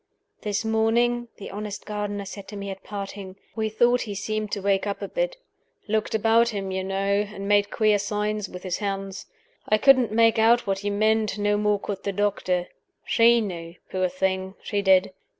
"This morning," the honest gardener said to me at parting, "we thought he seemed to wake up a bit. Looked about him, you know, and made queer signs with his hands. I couldn't make out what he meant; no more could the doctor. She knew, poor thing She did.